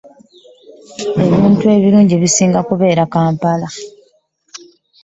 Ebintu ebirungi bisinga kubeera Kampala.